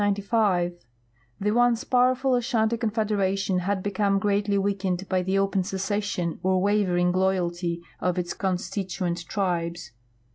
French Toward the end of 1895 the once powerful Ashanti confedera tion had become greatly weakened by the open secession or wavering loyalty of its constituent tribes.